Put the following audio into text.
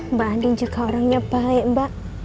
mbak andin juga orangnya baik mbak